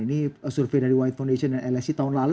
ini survei dari white foundation dan lsi tahun lalu